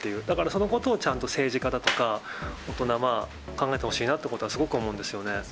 だから、そのことをちゃんと政治家だとか、大人、考えてほしいなっていうことは、すごく思うんですよね。